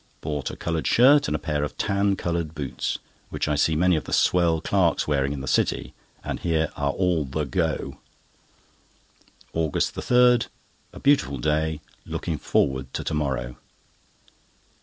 Bought a coloured shirt and a pair of tan coloured boots, which I see many of the swell clerks wearing in the City, and hear are all the "go." AUGUST 3.—A beautiful day. Looking forward to to morrow.